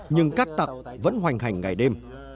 nhưng cát tặc vẫn hoành hành ngày đêm